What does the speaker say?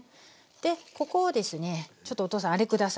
ここをですねちょっとお父さんあれ下さい。